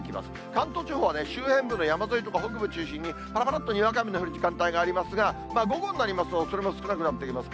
関東地方は周辺部の山沿いとか北部中心に、ぱらぱらっと、にわか雨の降る時間帯ありますが、午後になりますと、それも少なくなってきます。